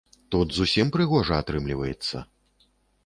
Тут зусім прыгожа атрымліваецца.